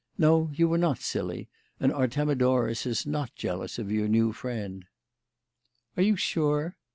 No, you were not silly, and Artemidorus is not jealous of your new friend." "Are you sure?"